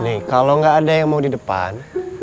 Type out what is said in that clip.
nih kalau nggak ada yang mau di depan